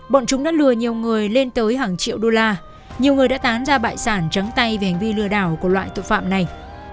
bọn chúng đã lừa nhiều người lên tới hàng triệu đô la nhiều người đã tán ra bại sản trắng tay về hành vi lừa đảo của loại tội phạm này